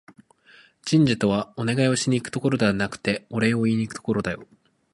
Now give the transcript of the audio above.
神社とは、お願いをしに行くところではなくて、お礼を言いにいくところだよ